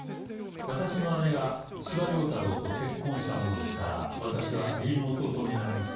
私の姉が司馬太郎と結婚したものですから私は義理の弟になります。